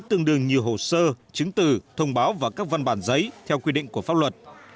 tương đương nhiều hồ sơ chứng từ thông báo và các văn bản giấy theo quy định của pháp luật